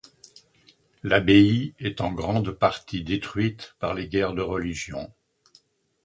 L'abbaye est en grande partie détruite par les guerres de religion.